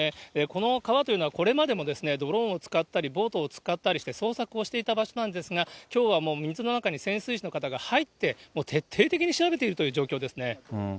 この川というのは、これまでもドローンを使ったり、ボートを使ったりして、捜索をしていた場所なんですが、きょうはもう水の中に潜水士の方が入って、徹底的に調べているという状況ですね。